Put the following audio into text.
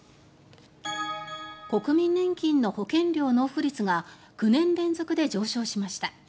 国民年金の保険料納付率が９年連続で上昇しました。